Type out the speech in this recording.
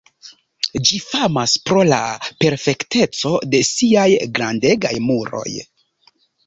Ĝi famas pro la perfekteco de siaj grandegaj muroj.